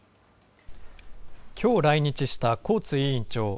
きょう来日したコーツ委員長。